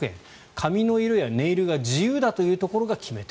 髪の色やネイルが自由だというところが決め手。